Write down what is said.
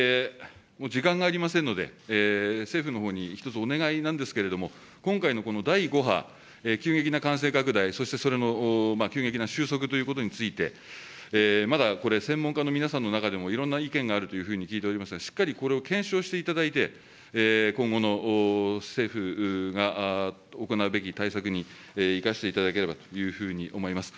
時間がありませんので、政府のほうに一つお願いなんですけれども、今回のこの第５波、急激な感染拡大、そしてそれの急激な収束ということについて、まだこれ、専門家の皆さんの中でもいろんな意見があるというふうに聞いておりますが、しっかりこれを検証していただいて、今後の政府が行うべき対策に生かしていただければというふうに思います。